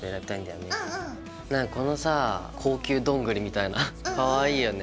このさ高級どんぐりみたいなかわいいよね。